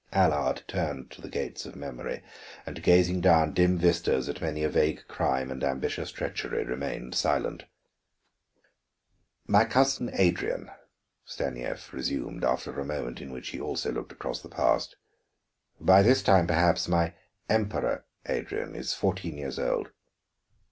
Allard turned to the gates of memory, and gazing down dim vistas at many a vague crime and ambitious treachery, remained silent. "My cousin Adrian," Stanief resumed, after a moment in which he also looked across the past, "by this time perhaps my Emperor Adrian is fourteen years old.